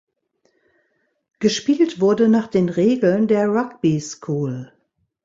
Gespielt wurde nach den Regeln der Rugby School.